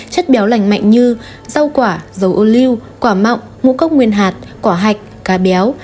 chất béo lành mạnh như rau quả dầu ô lưu quả mọng mũ cốc nguyên hạt quả hạch cá béo